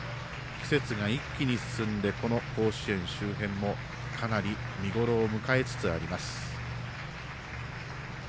季節が一気に進んでこの甲子園周辺もかなり、見頃を迎えつつあります。